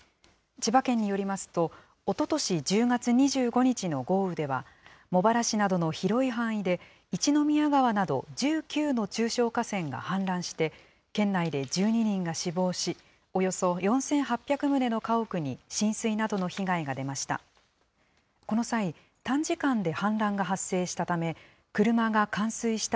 千葉県によりますと、おととし１０月２５日の豪雨では、茂原市などの広い範囲で、一宮川など、１９の中小河川が氾濫して、県内で１２人が死亡し、およそ４８００棟の家屋に浸水などの被害が出ました。